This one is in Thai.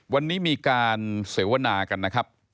วันนี้มีการเสวนากันนะครับ